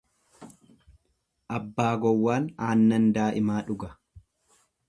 Abbaa gowwaan aannan daa'imaa dhuga.